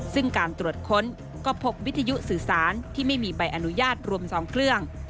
ซึ่งการตรวจค้นก็พบวิทยุสื่อสารที่ไม่มีใบอนุญาตรวม๒เครื่อง